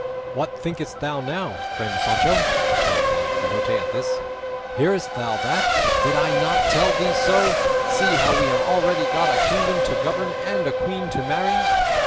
"What thinkest thou now, friend Sancho?" said Don Quixote at this. "Hearest thou that? Did I not tell thee so? See how we have already got a kingdom to govern and a queen to marry!"